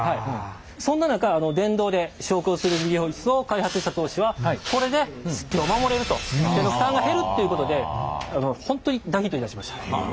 そんな中電動で昇降する理美容イスを開発した当初はこれでスッと手の負担が減るっていうことで本当に大ヒットいたしました。